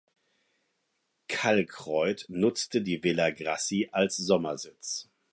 Kalckreuth benutzte die Villa Grassi als Sommersitz.